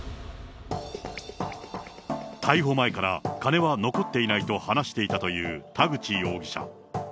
逮捕前から金は残っていないと話していたという田口容疑者。